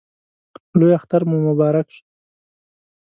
لوی اختر مو مبارک شه!